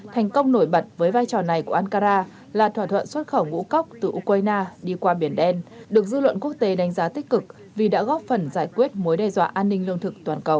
thành công nổi bật với vai trò này của ankara là thỏa thuận xuất khẩu ngũ cốc từ ukraine đi qua biển đen được dư luận quốc tế đánh giá tích cực vì đã góp phần giải quyết mối đe dọa an ninh lương thực toàn cầu